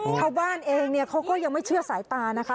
นี่ค่ะเข้าบ้านเองเขาก็ยังไม่เชื่อสายตานะคะ